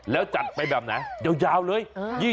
แล้วจัดไปแบบไหนยาวเลย